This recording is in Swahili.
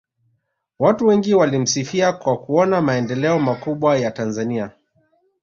watu wengi walimsifia kwa kuona maendeleo makubwa ya tanzania